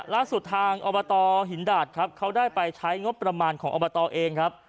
ล่าสุดทางอบตหินดาดครับเขาได้ไปใช้งบประมาณของอบตเองครับ